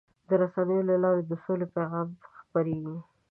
د رسنیو له لارې د سولې پیغام خپرېږي.